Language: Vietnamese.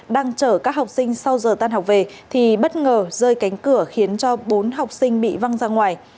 đang chở các học sinh sau giờ tan học về thì bất ngờ rơi cánh cửa khiến cho bốn học sinh bị văng ra ngoài